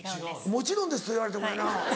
もちろんですって言われてもやな。